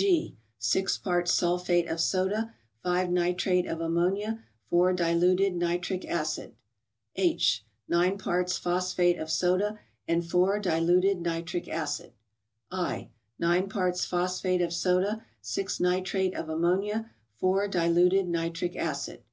G. —Six parts sulphate of soda, 5 nitrate of ammonia, 4 diluted nitric acid. H. —Nine parts phosphate of soda, and 4 diluted nitric acid. /.—Nine parts phosphate of soda, 6 nitrate of ammo¬ nia, 4 diluted nitric acid.